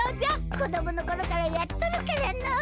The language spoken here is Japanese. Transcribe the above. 子どものころからやっとるからのう。